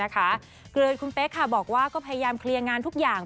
ก็เลยคุณเป๊กบอกว่าก็พยายามเคลียร์งานทุกอย่าง